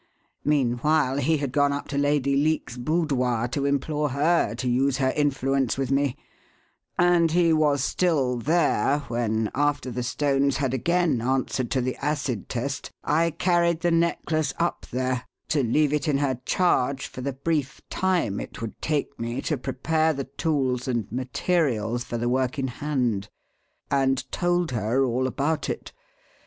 "Meanwhile, he had gone up to Lady Leake's boudoir to implore her to use her influence with me, and he was still there when, after the stones had again answered to the acid test, I carried the necklace up there (to leave it in her charge for the brief time it would take me to prepare the tools and materials for the work in hand) and told her all about it.